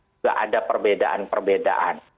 tidak ada perbedaan perbedaan